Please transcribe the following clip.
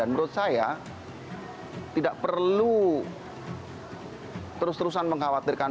dan menurut saya tidak perlu terus terusan mengkhawatirkan